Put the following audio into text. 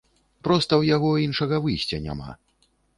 Проста ў яго іншага выйсця няма!